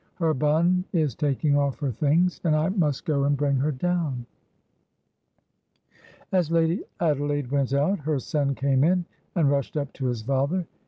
Her bonne is taking off her things, and I must go and bring her down." As Lady Adelaide went out, her son came in, and rushed up to his father.